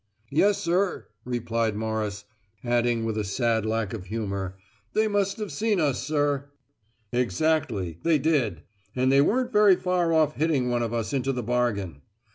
"Yes, sir," replied Morris, adding with a sad lack of humour "They must have seen us, sir!" "Exactly: they did. And they weren't very far off hitting one of us into the bargain.